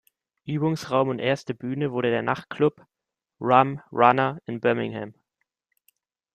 Übungsraum und erste Bühne wurde der Nachtclub "Rum Runner" in Birmingham.